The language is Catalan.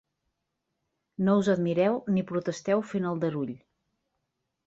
No us admireu ni protesteu fent aldarull.